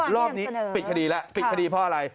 รอบนี้ปิดคดีแล้วปิดคดีเพราะอะไร